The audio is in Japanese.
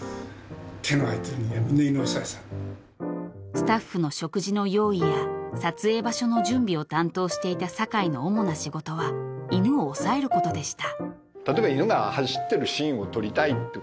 ［スタッフの食事の用意や撮影場所の準備を担当していた酒井の主な仕事は犬を押さえることでした］